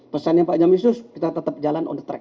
pesannya pak jamis itu kita tetap jalan on the track